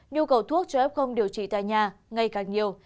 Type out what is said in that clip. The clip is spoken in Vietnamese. nhu cầu thuốc cho ép không điều trị tại nhà ngay càng nhiều